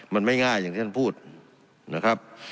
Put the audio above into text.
มันไม่ง่ายอย่างที่ท่านพูดนะครับ